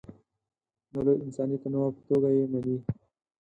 د لوی انساني تنوع په توګه یې مني.